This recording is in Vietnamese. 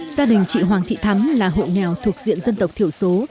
gia đình chị hoàng thị thắm là hộ nghèo thuộc diện dân tộc thiểu số